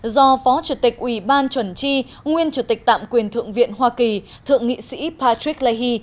do phó chủ tịch ủy ban chuẩn tri nguyên chủ tịch tạm quyền thượng viện hoa kỳ thượng nghị sĩ patrick leahy